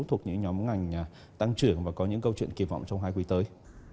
thuộc những nhóm ngành tăng trưởng và có những câu chuyện kỳ vọng trong hai quý tới